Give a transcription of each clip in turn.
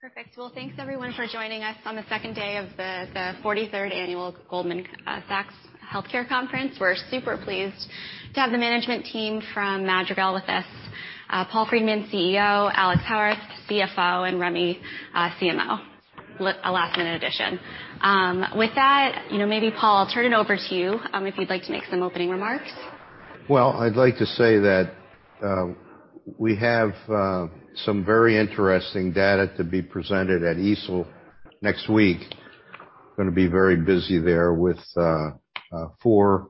Perfect. Well, thanks everyone for joining us on the second day of the 43rd Annual Goldman Sachs Healthcare Conference. We're super pleased to have the management team from Madrigal with us. Paul Friedman, CEO, Alex Howarth, CFO, and Remy, CCO. A last-minute addition. With that, you know, maybe Paul, I'll turn it over to you if you'd like to make some opening remarks? Well, I'd like to say that we have some very interesting data to be presented at EASL next week. Gonna be very busy there with four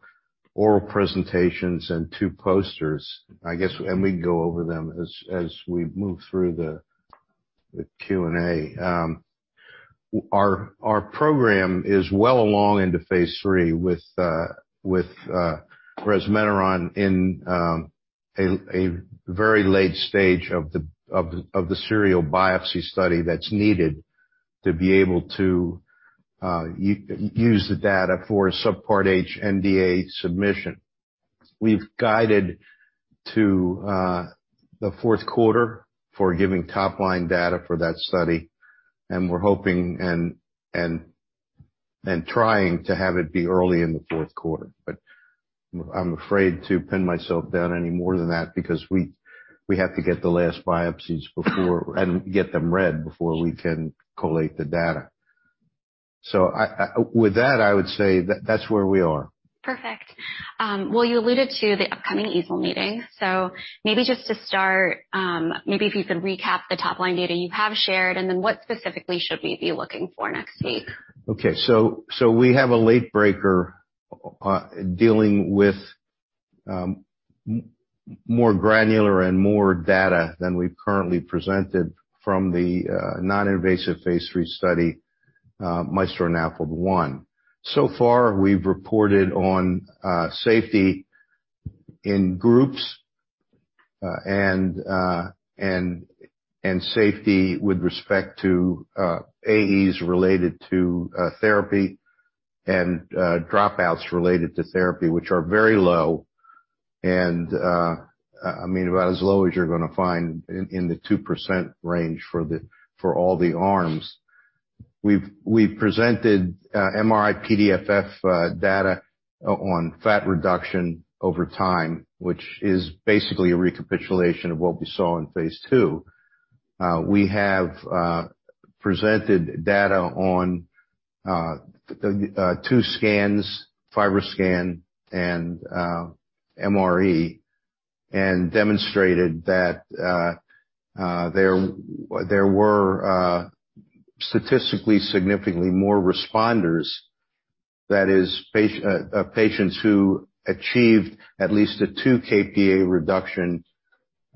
oral presentations and two posters, I guess, and we can go over them as we move through the Q&A. Our program is well along into phase III with resmetirom in a very late stage of the serial biopsy study that's needed to be able to use the data for a Subpart H NDA submission. We've guided to the fourth quarter for giving top-line data for that study, and we're hoping and trying to have it be early in the fourth quarter. I'm afraid to pin myself down any more than that because we have to get the last biopsies before and get them read before we can collate the data. With that, I would say that that's where we are. Perfect. Well, you alluded to the upcoming EASL meeting. Maybe just to start, maybe if you could recap the top-line data you have shared, and then what specifically should we be looking for next week? Okay, we have a late breaker dealing with more granular and more data than we've currently presented from the non-invasive phase III study, MAESTRO-NAFLD-1. So far, we've reported on safety in groups and safety with respect to AEs related to therapy and dropouts related to therapy, which are very low, I mean, about as low as you're gonna find in the 2% range for all the arms. We've presented MRI-PDFF data on fat reduction over time, which is basically a recapitulation of what we saw in phase II. We have presented data on the two scans, FibroScan and MRE, and demonstrated that there were statistically significantly more responders, that is patients who achieved at least a 2 kPa reduction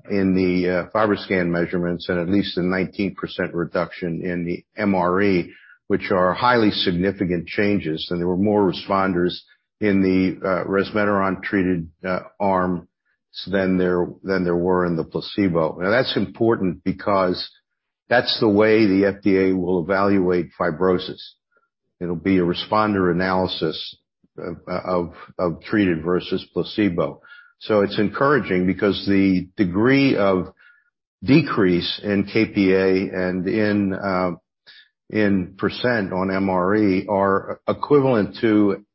in the FibroScan measurements and at least a 19% reduction in the MRE, which are highly significant changes. There were more responders in the resmetirom-treated arms than there were in the placebo. Now, that's important because that's the way the FDA will evaluate fibrosis. It'll be a responder analysis of treated versus placebo. It's encouraging because the degree of decrease in kPa and in percent on MRE are equivalent to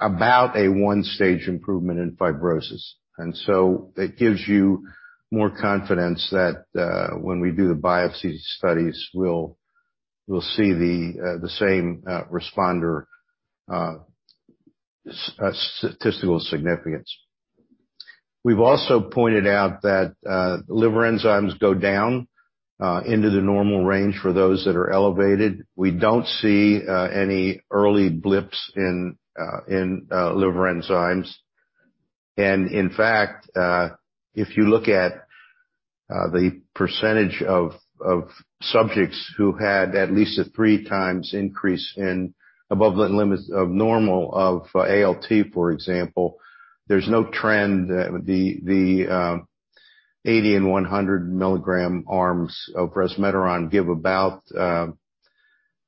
about a one-stage improvement in fibrosis. It gives you more confidence that when we do the biopsy studies, we'll see the same responder statistical significance. We've also pointed out that liver enzymes go down into the normal range for those that are elevated. We don't see any early blips in liver enzymes. In fact, if you look at the percentage of subjects who had at least a 3x increase above the limits of normal of ALT, for example, there's no trend. The 80 mg and 100 mg arms of resmetirom give about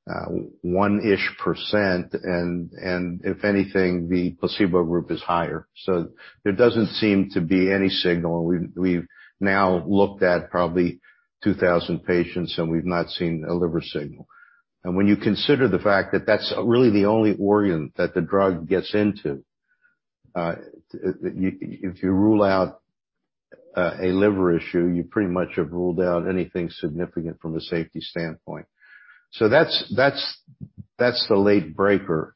1%-ish and if anything, the placebo group is higher. There doesn't seem to be any signal. We've now looked at probably 2,000 patients, and we've not seen a liver signal. When you consider the fact that that's really the only organ that the drug gets into, if you rule out a liver issue, you pretty much have ruled out anything significant from a safety standpoint. That's the late breaker.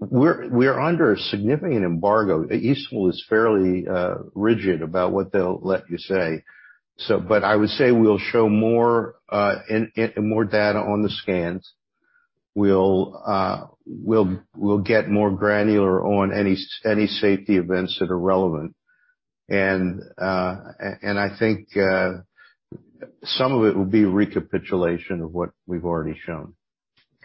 We're under a significant embargo. EASL is fairly rigid about what they'll let you say. I would say we'll show more and more data on the scans. We'll get more granular on any safety events that are relevant. I think some of it will be recapitulation of what we've already shown.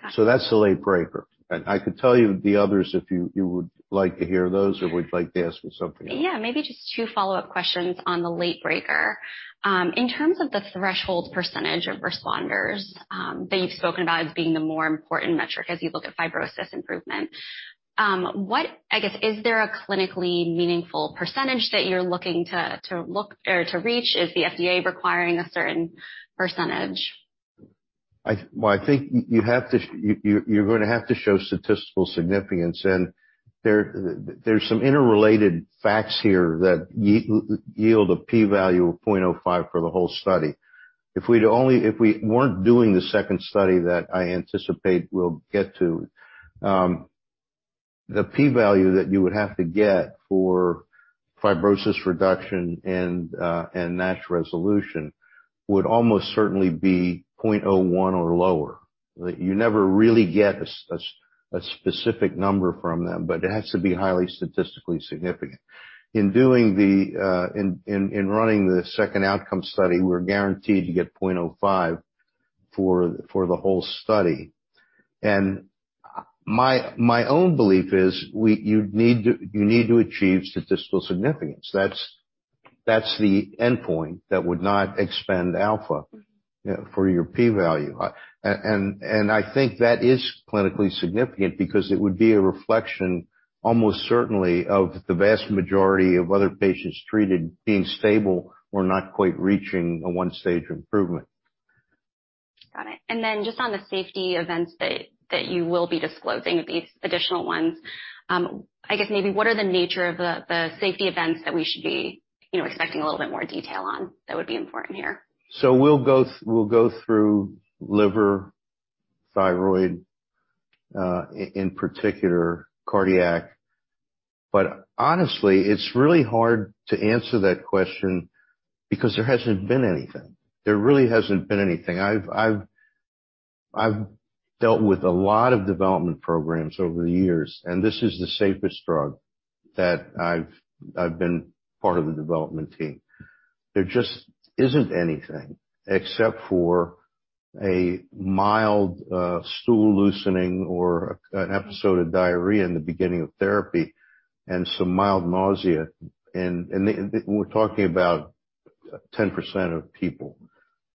Got it. That's the late breaker. I could tell you the others if you would like to hear those or would like to ask me something else? Yeah. Maybe just two follow-up questions on the late breaker. In terms of the threshold percentage of responders, that you've spoken about as being the more important metric as you look at fibrosis improvement, I guess, is there a clinically meaningful percentage that you're looking to look or to reach? Is the FDA requiring a certain percentage? Well, I think you're gonna have to show statistical significance. There's some interrelated facts here that yield a p-value of 0.05 for the whole study. If we weren't doing the second study that I anticipate we'll get to, the p-value that you would have to get for fibrosis reduction and NASH resolution would almost certainly be 0.01 or lower. That you never really get a specific number from them, but it has to be highly statistically significant. In running the second outcome study, we're guaranteed to get 0.05 for the whole study. My own belief is you need to achieve statistical significance. That's the endpoint that would not expend alpha for your p-value. I think that is clinically significant because it would be a reflection, almost certainly of the vast majority of other patients treated being stable or not quite reaching a one-stage improvement. Got it. Just on the safety events that you will be disclosing with these additional ones, I guess maybe what are the nature of the safety events that we should be, you know, expecting a little bit more detail on that would be important here? We'll go through liver, thyroid, in particular cardiac. Honestly, it's really hard to answer that question because there hasn't been anything. There really hasn't been anything. I've dealt with a lot of development programs over the years, and this is the safest drug that I've been part of the development team. There just isn't anything except for a mild stool loosening or an episode of diarrhea in the beginning of therapy and some mild nausea. We're talking about 10% of people.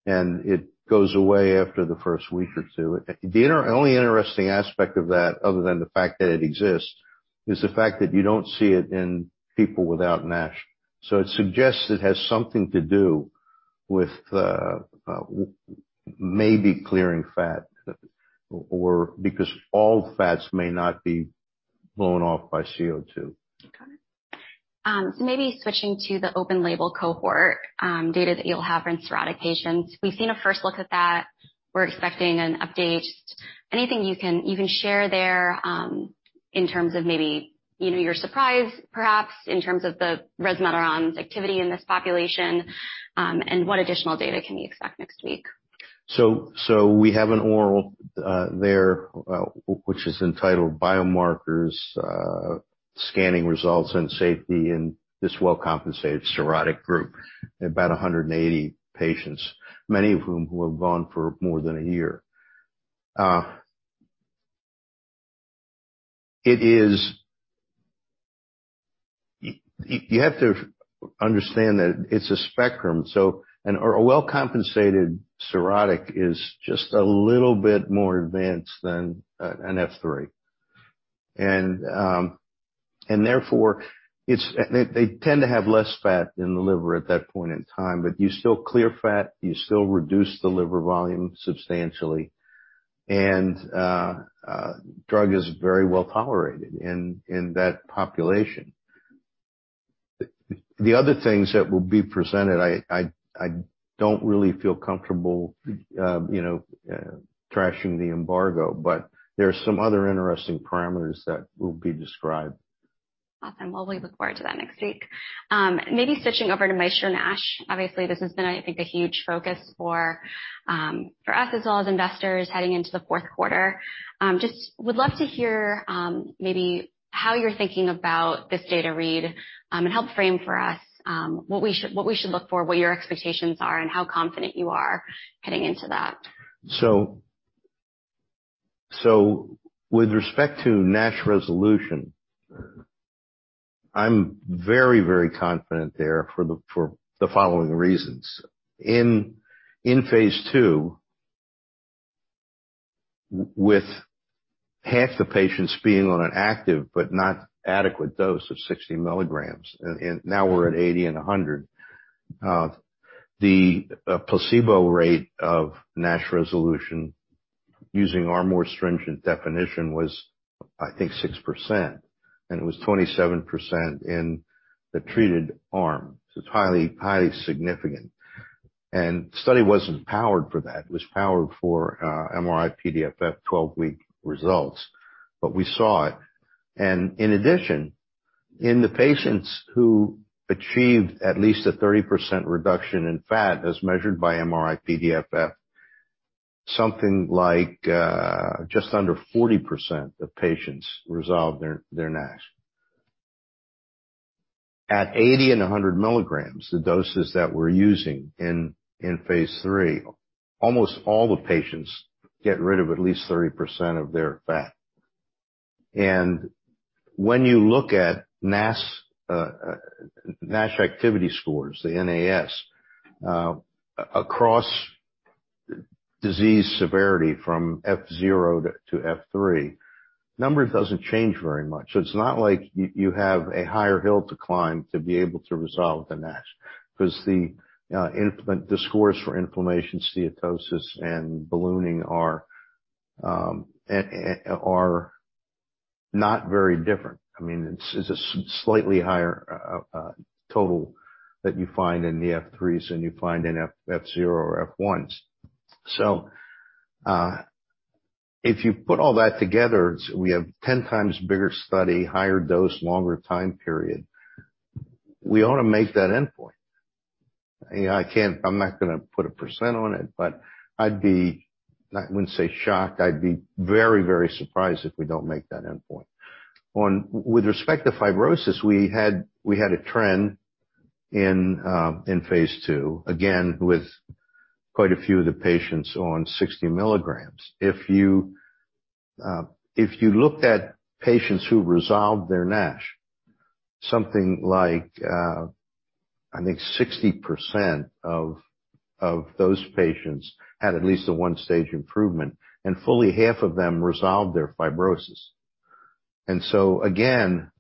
It goes away after the first week or two. The only interesting aspect of that, other than the fact that it exists, is the fact that you don't see it in people without NASH. It suggests it has something to do with maybe clearing fat or because all fats may not be blown off by CO2. Okay. Maybe switching to the open label cohort data that you'll have in cirrhotic patients. We've seen a first look at that. We're expecting an update. Anything you can share there in terms of maybe, you know, your surprise, perhaps in terms of the resmetirom's activity in this population? And what additional data can we expect next week? We have an oral which is entitled Biomarkers, Scanning Results and Safety in this well-compensated cirrhotic group, about 180 patients, many of whom have gone for more than a year. It is. You have to understand that it's a spectrum. A well-compensated cirrhotic is just a little bit more advanced than an F3. Therefore it's. They tend to have less fat in the liver at that point in time, but you still clear fat, you still reduce the liver volume substantially. Drug is very well tolerated in that population. The other things that will be presented, I don't really feel comfortable, you know, trashing the embargo, but there are some other interesting parameters that will be described. Awesome. Well, we look forward to that next week. Maybe switching over to MAESTRO-NASH. Obviously, this has been I think a huge focus for us as well as investors heading into the fourth quarter. Just would love to hear maybe how you're thinking about this data read and help frame for us what we should look for? What your expectations are? And how confident you are heading into that? With respect to NASH resolution, I'm very, very confident there for the following reasons. In phase II, with half the patients being on an active but not adequate dose of 60 mg, and now we're at 80 mg and 100 mg. The placebo rate of NASH resolution using our more stringent definition was, I think, 6%, and it was 27% in the treated arm. It's highly significant. The study wasn't powered for that. It was powered for MRI-PDFF 12-week results. We saw it. In addition, in the patients who achieved at least a 30% reduction in fat as measured by MRI-PDFF, something like just under 40% of patients resolved their NASH. At 80 and 100 milligrams, the doses that we're using in phase three, almost all the patients get rid of at least 30% of their fat. When you look at NAS, NASH activity scores, the NAS across disease severity from F0 to F3, number doesn't change very much. It's not like you have a higher hill to climb to be able to resolve the NASH 'cause the components of the scores for inflammation, steatosis, and ballooning are not very different. I mean, it's a slightly higher total that you find in the F3s than you find in F0 or F1s. If you put all that together, we have 10x bigger study, higher dose, longer time period. We ought to make that endpoint. You know, I'm not gonna put a percent on it, but I'd be, I wouldn't say shocked, I'd be very, very surprised if we don't make that endpoint. With respect to fibrosis, we had a trend in phase II, again, with quite a few of the patients on 60 mg. If you looked at patients who resolved their NASH, something like, I think 60% of those patients had at least a one-stage improvement, and fully half of them resolved their fibrosis. Again,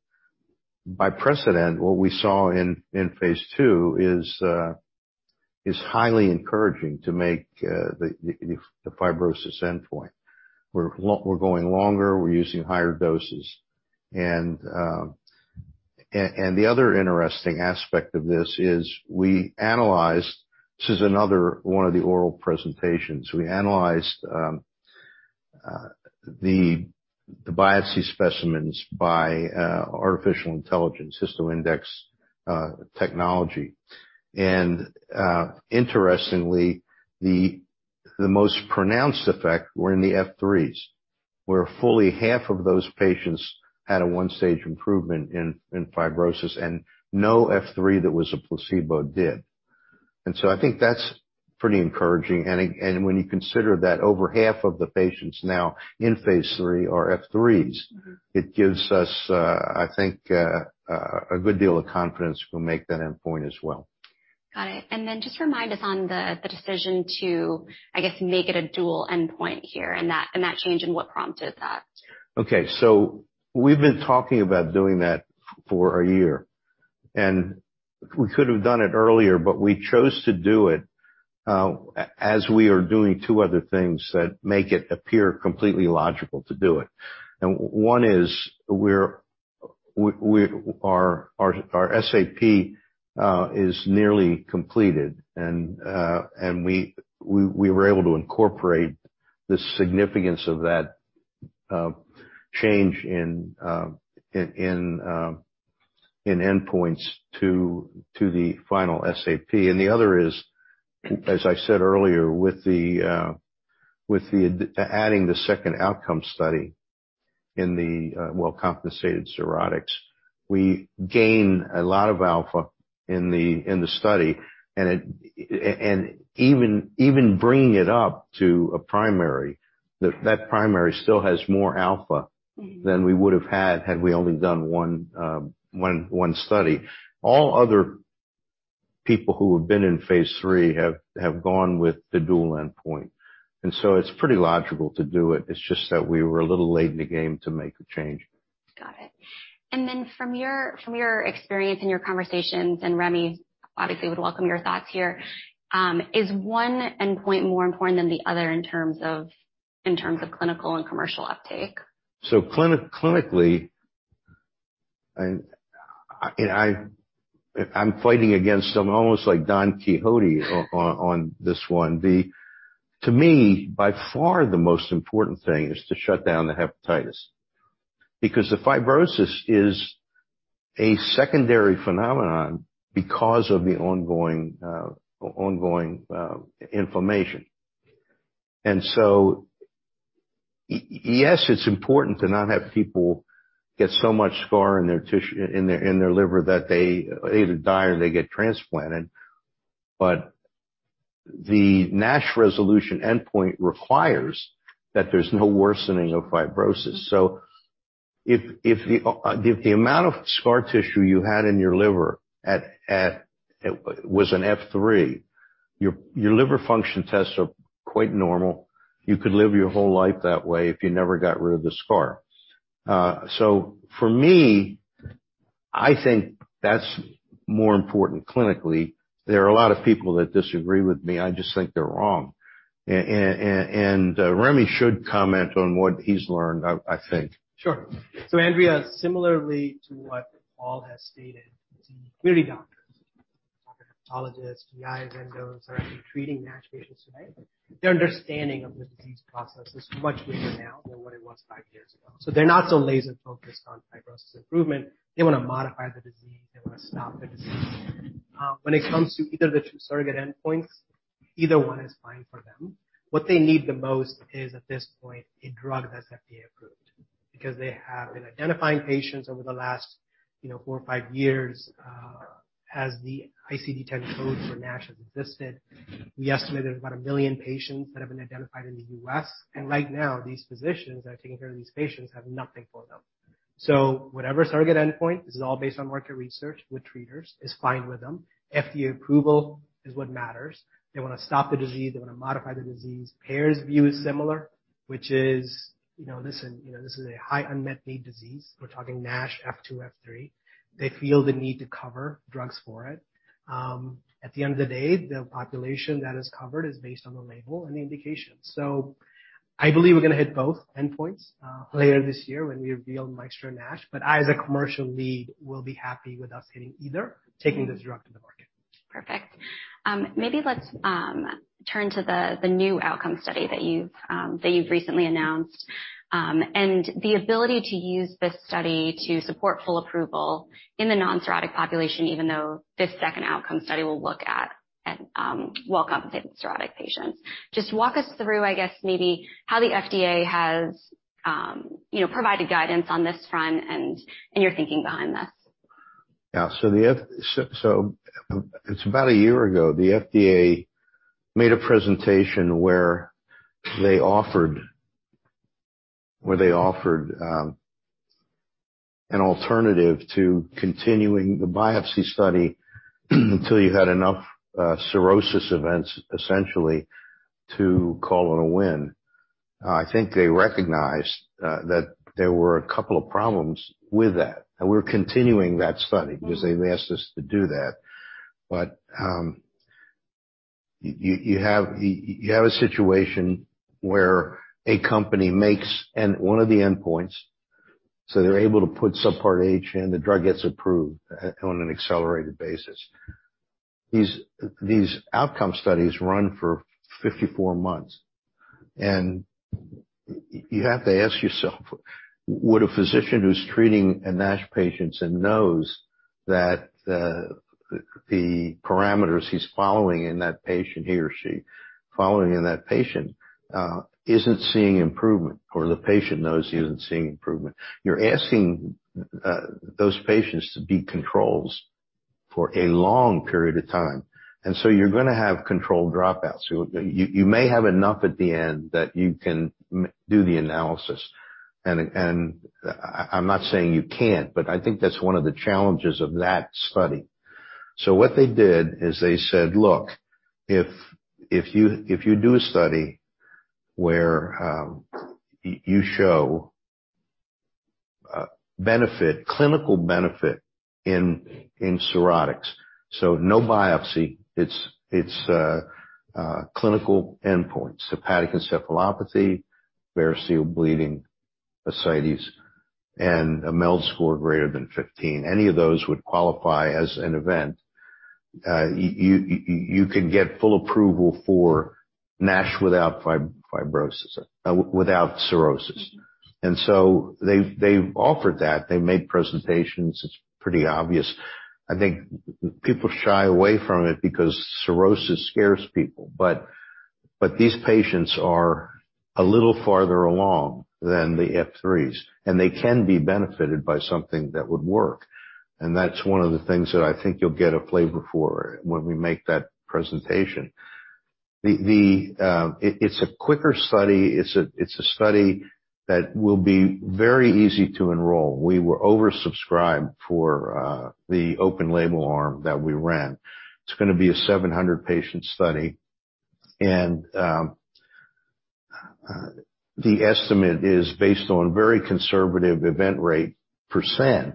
by precedent, what we saw in phase II is highly encouraging to make the fibrosis endpoint. We're going longer, we're using higher doses. The other interesting aspect of this is we analyzed. This is another one of the oral presentations. We analyzed the biopsy specimens by artificial intelligence, HistoIndex, technology. Interestingly, the most pronounced effect were in the F3s, where fully half of those patients had a one-stage improvement in fibrosis, and no F3 that was a placebo did. I think that's pretty encouraging. When you consider that over half of the patients now in phase three are F3s. Mm-hmm. It gives us, I think, a good deal of confidence we'll make that endpoint as well. Got it. Just remind us on the decision to, I guess, make it a dual endpoint here, and that change and what prompted that? Okay. We've been talking about doing that for a year. We could have done it earlier, but we chose to do it as we are doing two other things that make it appear completely logical to do it. One is our SAP is nearly completed, and we were able to incorporate the significance of that change in endpoints to the final SAP. The other is, as I said earlier, with adding the second outcome study in the well-compensated cirrhotics. We gain a lot of alpha in the study, and even bringing it up to a primary, that primary still has more alpha. Mm-hmm. Than we would have had we only done one study. All other people who have been in phase III have gone with the dual endpoint. It's pretty logical to do it. It's just that we were a little late in the game to make a change. Got it. From your experience and your conversations, and Remy obviously would welcome your thoughts here, is one endpoint more important than the other in terms of clinical and commercial uptake? Clinically, and I'm fighting against almost like Don Quixote on this one. To me, by far, the most important thing is to shut down the hepatitis. Because the fibrosis is a secondary phenomenon because of the ongoing inflammation. Yes, it's important to not have people get so much scar in their liver that they either die or they get transplanted, but the NASH resolution endpoint requires that there's no worsening of fibrosis. If the amount of scar tissue you had in your liver was an F3, your liver function tests are quite normal. You could live your whole life that way if you never got rid of the scar. For me, I think that's more important clinically. There are a lot of people that disagree with me. I just think they're wrong. Remy should comment on what he's learned, I think. Sure. Andrea, similarly to what Paul has stated, the community doctors, hepatologists, GIs, endos are actually treating NASH patients today. Their understanding of the disease process is much greater now than what it was five years ago. They're not so laser-focused on fibrosis improvement. They wanna modify the disease, they wanna stop the disease. When it comes to either of the two surrogate endpoints, either one is fine for them. What they need the most is, at this point, a drug that's FDA approved because they have been identifying patients over the last, you know, four or five years, as the ICD-10 code for NASH has existed. We estimate there's about 1 million patients that have been identified in the U.S., and right now, these physicians that are taking care of these patients have nothing for them. Whatever target endpoint, this is all based on market research with treaters, is fine with them. FDA approval is what matters. They want to stop the disease, they want to modify the disease. Payers' view is similar, which is, you know, listen, you know, this is a high unmet need disease. We're talking NASH F2, F3. They feel the need to cover drugs for it. At the end of the day, the population that is covered is based on the label and the indication. I believe we're going to hit both endpoints later this year when we reveal MAESTRO-NASH, but I, as a commercial lead, will be happy with us hitting either, taking this drug to the market. Perfect. Maybe let's turn to the new outcome study that you've recently announced. The ability to use this study to support full approval in the non-cirrhotic population, even though this second outcome study will look at well-compensated cirrhotic patients. Just walk us through, I guess, maybe how the FDA has, you know, provided guidance on this front and your thinking behind this? It's about a year ago, the FDA made a presentation where they offered an alternative to continuing the biopsy study until you had enough cirrhosis events, essentially, to call it a win. I think they recognized that there were a couple of problems with that, and we're continuing that study because they've asked us to do that. You have a situation where a company makes one of the endpoints, so they're able to put Subpart H in, the drug gets approved on an accelerated basis. These outcome studies run for 54 months. You have to ask yourself, would a physician who's treating a NASH patient and knows that the parameters he's following in that patient isn't seeing improvement? Or the patient knows he isn't seeing improvement. You're asking those patients to be controls for a long period of time. You're gonna have control dropouts. You may have enough at the end that you can do the analysis. I'm not saying you can't, but I think that's one of the challenges of that study. What they did is they said, "Look, if you do a study where you show benefit, clinical benefit in cirrhotics, so no biopsy, it's clinical endpoint, so hepatic encephalopathy, variceal bleeding, ascites, and a MELD score greater than 15. Any of those would qualify as an event. You can get full approval for NASH without fibrosis without cirrhosis. They've offered that. They made presentations. It's pretty obvious. I think people shy away from it because cirrhosis scares people. These patients are a little farther along than the F3s, and they can be benefited by something that would work. That's one of the things that I think you'll get a flavor for when we make that presentation. It's a quicker study. It's a study that will be very easy to enroll. We were oversubscribed for the open label arm that we ran. It's gonna be a 700-patient study. The estimate is based on very conservative event rate percent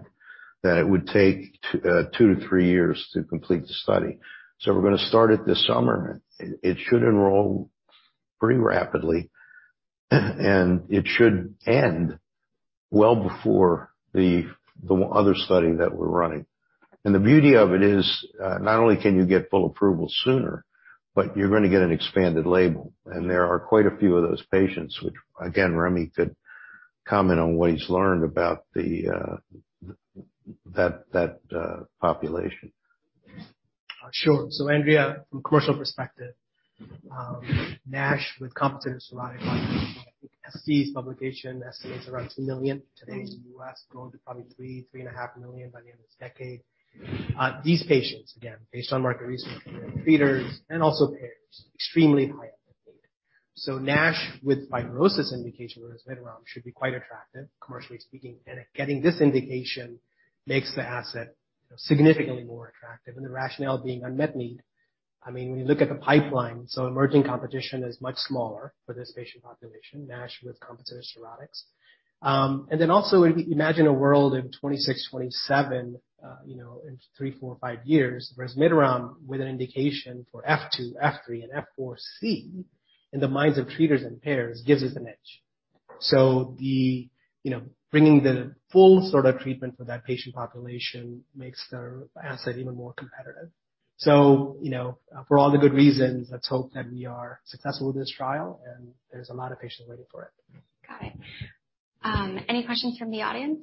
that it would take two to three years to complete the study. We're gonna start it this summer. It should enroll pretty rapidly, and it should end well before the other study that we're running. The beauty of it is not only can you get full approval sooner, but you're gonna get an expanded label. There are quite a few of those patients, which again, Remy could comment on what he's learned about that population. Sure. Andrea, from a commercial perspective, NASH with compensated cirrhotic, I think IQVIA's publication estimates around 2 million today in the U.S., growing to probably 3 milion-3.5 million by the end of this decade. These patients, again, based on market research and treaters and also payers, extremely high uptake. NASH with fibrosis indication, resmetirom, should be quite attractive, commercially speaking. Getting this indication makes the asset significantly more attractive, and the rationale being unmet need. I mean, when you look at the pipeline, so emerging competition is much smaller for this patient population, NASH with compensated cirrhotics. Imagine a world in 2026, 2027, you know, in three, four, five years, resmetirom with an indication for F2, F3, and F4c in the minds of treaters and payers gives us an edge. The, you know, bringing the full sort of treatment for that patient population makes the asset even more competitive. You know, for all the good reasons, let's hope that we are successful with this trial, and there's a lot of patients waiting for it. Got it. Any questions from the audience?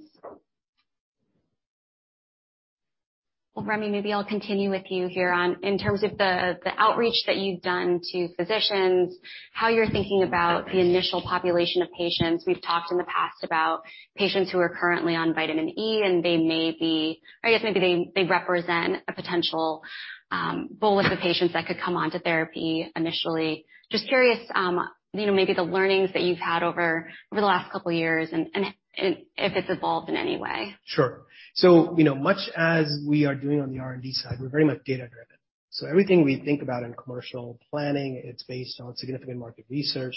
Well, Remy, maybe I'll continue with you here on in terms of the outreach that you've done to physicians, how you're thinking about the initial population of patients. We've talked in the past about patients who are currently on Vitamin E, and they may be or I guess maybe they represent a potential pool of the patients that could come onto therapy initially? Just curious, you know, maybe the learnings that you've had over the last couple of years and if it's evolved in any way? Sure. You know, much as we are doing on the R&D side, we're very much data-driven. Everything we think about in commercial planning, it's based on significant market research.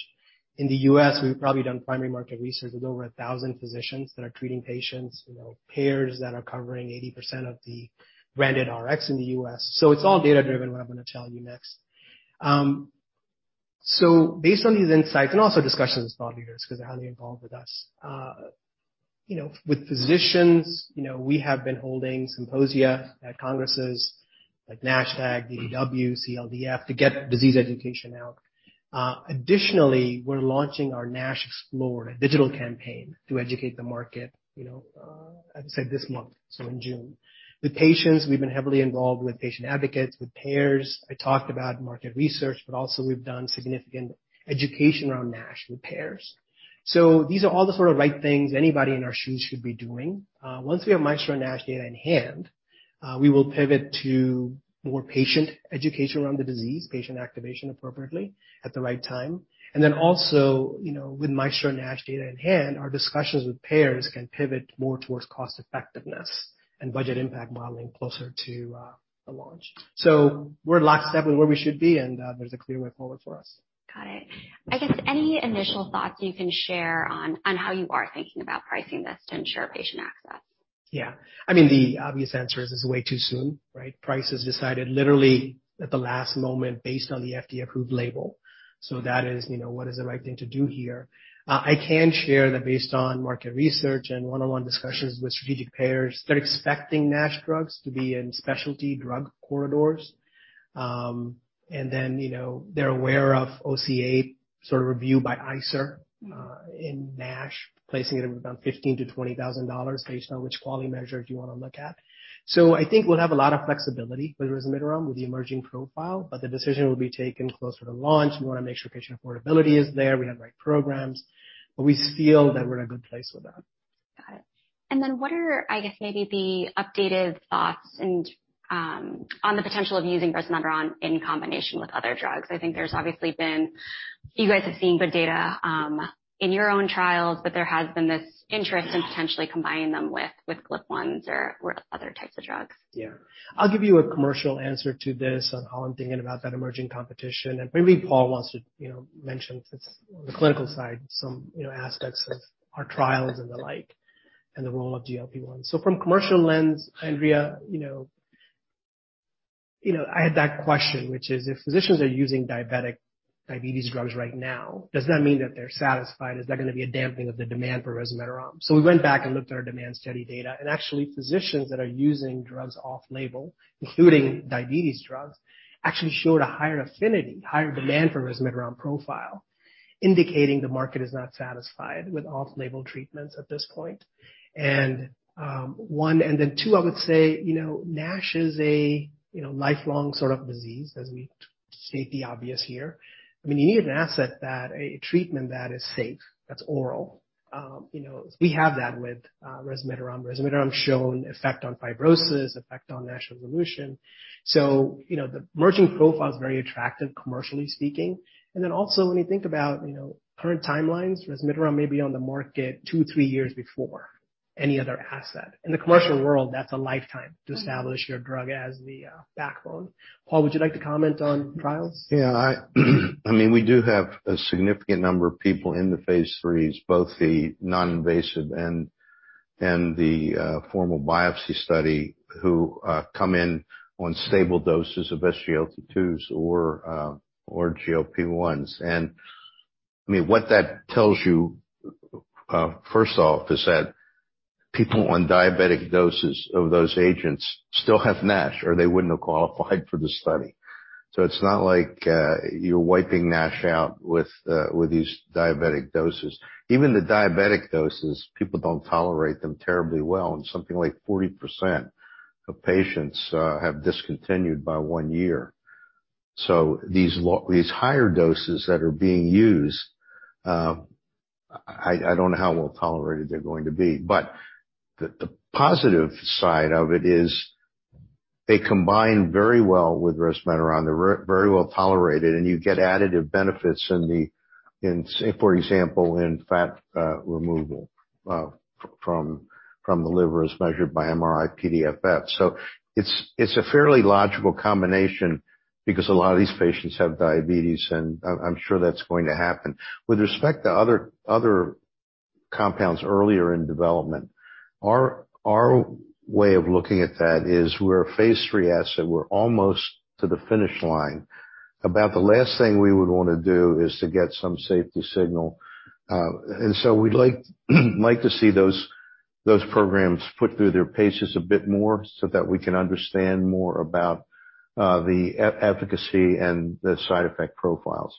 In the U.S., we've probably done primary market research with over 1,000 physicians that are treating patients, you know, payers that are covering 80% of the branded Rx in the U.S.. It's all data-driven what I'm going to tell you next. Based on these insights and also discussions with thought leaders because they're highly involved with us, you know, with physicians, you know, we have been holding symposia at congresses like NASH-TAG, DDW, CLDF to get disease education out. Additionally, we're launching our NASH Explored, a digital campaign to educate the market, you know, as I said this month, so in June. With patients, we've been heavily involved with patient advocates, with payers. I talked about market research, but also we've done significant education around NASH with payers. These are all the sort of right things anybody in our shoes should be doing. Once we have MAESTRO-NASH data in hand, we will pivot to more patient education around the disease, patient activation appropriately at the right time. And then also, you know, with MAESTRO-NASH data in hand, our discussions with payers can pivot more towards cost effectiveness and budget impact modeling closer to the launch. We're lockstep with where we should be, and there's a clear way forward for us. Got it. I guess any initial thoughts you can share on how you are thinking about pricing this to ensure patient access? Yeah. I mean, the obvious answer is it's way too soon, right? Price is decided literally at the last moment based on the FDA-approved label. That is, you know, what is the right thing to do here. I can share that based on market research and one-on-one discussions with strategic payers, they're expecting NASH drugs to be in specialty drug corridors. And then, you know, they're aware of OCA sort of review by ICER, in NASH, placing it at about $15,000-$20,000 based on which quality measure do you wanna look at. I think we'll have a lot of flexibility with resmetirom with the emerging profile, but the decision will be taken closer to launch. We wanna make sure patient affordability is there. We have the right programs, but we feel that we're in a good place with that. Got it. Then what are, I guess, maybe the updated thoughts and on the potential of using resmetirom in combination with other drugs? I think there's obviously been. You guys have seen good data in your own trials, but there has been this interest in potentially combining them with GLP-1s or other types of drugs. Yeah. I'll give you a commercial answer to this on how I'm thinking about that emerging competition. Maybe Paul wants to, you know, mention since the clinical side, some, you know, aspects of our trials and the like, and the role of GLP-1. From commercial lens, Andrea, you know, I had that question, which is if physicians are using diabetes drugs right now, does that mean that they're satisfied? Is that gonna be a dampening of the demand for resmetirom? We went back and looked at our demand study data, and actually, physicians that are using drugs off-label, including diabetes drugs, actually showed a higher affinity, higher demand for resmetirom profile, indicating the market is not satisfied with off-label treatments at this point. I would say, you know, NASH is a lifelong sort of disease, as we state the obvious here. I mean, you need a treatment that is safe, that's oral. You know, we have that with resmetirom. Resmetirom shown effect on fibrosis, effect on NASH resolution. You know, the emerging profile is very attractive, commercially speaking. When you think about current timelines, resmetirom may be on the market two to three years before any other asset. In the commercial world, that's a lifetime to establish your drug as the backbone. Paul, would you like to comment on trials? I mean, we do have a significant number of people in the phase IIIs, both the non-invasive and the formal biopsy study, who come in on stable doses of SGLT2s or GLP-1s. I mean, what that tells you first off is that people on diabetic doses of those agents still have NASH, or they wouldn't have qualified for the study. It's not like you're wiping NASH out with these diabetic doses. Even the diabetic doses, people don't tolerate them terribly well, and something like 40% of patients have discontinued by one year. These higher doses that are being used, I don't know how well tolerated they're going to be. The positive side of it is they combine very well with resmetirom. They're very well tolerated, and you get additive benefits, say, for example, in fat removal from the liver as measured by MRI-PDFF. It's a fairly logical combination because a lot of these patients have diabetes, and I'm sure that's going to happen. With respect to other compounds earlier in development, our way of looking at that is we're a phase III asset. We're almost to the finish line. About the last thing we would wanna do is to get some safety signal. We'd like to see those programs put through their paces a bit more so that we can understand more about the efficacy and the side effect profiles.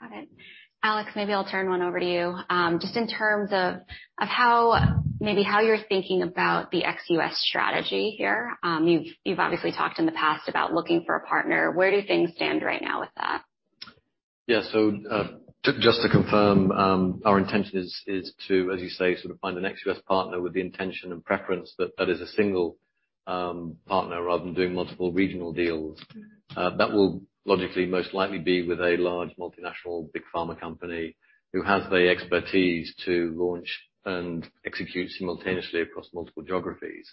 Got it. Alex, maybe I'll turn one over to you. Just in terms of how, maybe how you're thinking about the ex-U.S. strategy here. You've obviously talked in the past about looking for a partner. Where do things stand right now with that? Yeah. Just to confirm, our intention is to, as you say, sort of find an ex-U.S. partner with the intention and preference that is a single partner rather than doing multiple regional deals. That will logically most likely be with a large multinational big pharma company who has the expertise to launch and execute simultaneously across multiple geographies.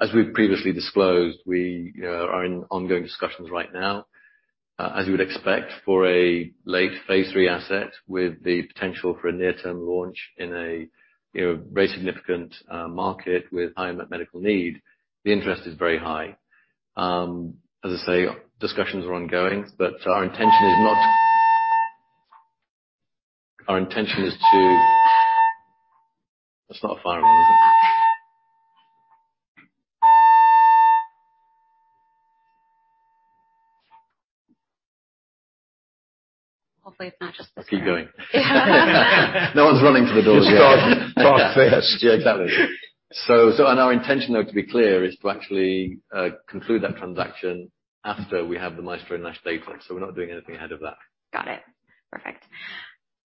As we've previously disclosed, we are in ongoing discussions right now. As you would expect for a late phase III asset with the potential for a near-term launch in a you know very significant market with high medical need, the interest is very high. As I say, discussions are ongoing, but our intention is to. That's not a fire alarm, is it? Hopefully it's not just. Keep going. No one's running for the doors yet. Just start first. Yeah, exactly. Our intention, though, to be clear, is to actually conclude that transaction after we have the MAESTRO-NASH data, so we're not doing anything ahead of that. Got it. Perfect.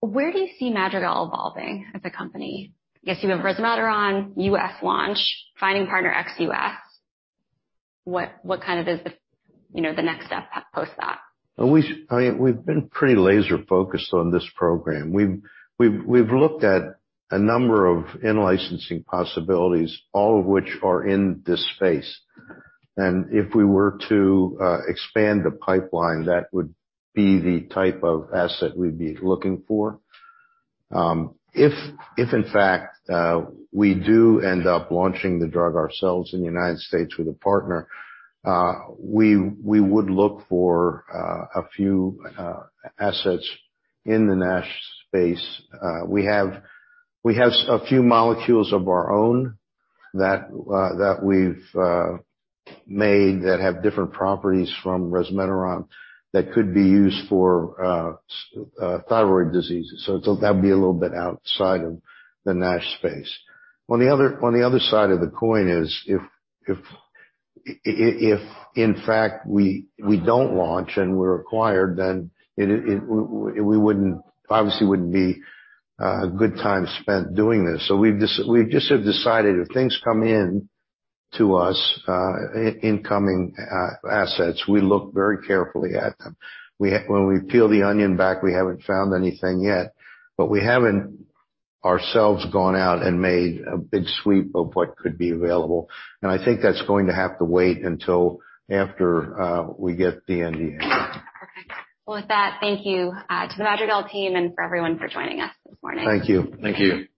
Where do you see Madrigal evolving as a company? I guess you have resmetirom, U.S. launch, finding partner ex-U.S. What kind of is the, you know, the next step post that? Well, I mean, we've been pretty laser-focused on this program. We've looked at a number of in-licensing possibilities, all of which are in this space. If we were to expand the pipeline, that would be the type of asset we'd be looking for. If in fact we do end up launching the drug ourselves in the United States with a partner, we would look for a few assets in the NASH space. We have a few molecules of our own that we've made that have different properties from resmetirom that could be used for thyroid diseases, so that'd be a little bit outside of the NASH space. On the other side of the coin is if in fact we don't launch and we're acquired, then we wouldn't obviously be a good time spent doing this. We've just have decided if things come in to us, incoming assets, we look very carefully at them. When we peel the onion back, we haven't found anything yet, but we haven't ourselves gone out and made a big sweep of what could be available. I think that's going to have to wait until after we get the NDA. Perfect. Well, with that, thank you to the Madrigal team and for everyone for joining us this morning. Thank you. Thank you.